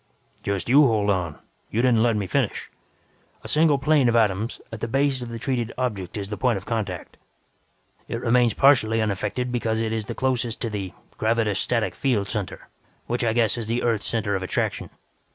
"Just you hold on. You didn't let me finish. A single plane of atoms, at the base of the treated object is the point of contact. It remains partially unaffected because it is closest to the 'gravetostatic field center', which I guess is the Earth's center of attraction.